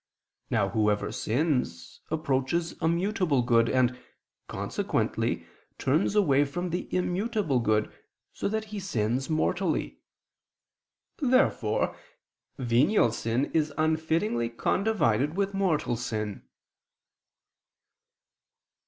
Now whoever sins, approaches a mutable good, and, consequently turns away from the immutable good, so that he sins mortally. Therefore venial sin is unfittingly condivided with mortal sin.